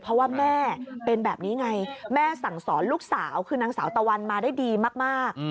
เพราะว่าแม่เป็นแบบนี้ไงแม่สั่งสอนลูกสาวคือนางสาวตะวันมาได้ดีมาก